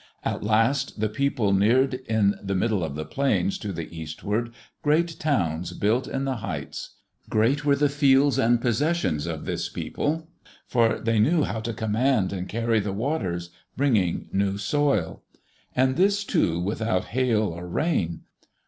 At last the people neared, in the midst of the plains to the eastward, great towns built in the heights. Great were the fields and possessions of this people, for they knew how to command and carry the waters, bringing new soil. And this, too, without hail or rain.